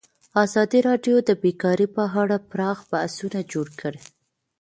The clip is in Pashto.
ازادي راډیو د بیکاري په اړه پراخ بحثونه جوړ کړي.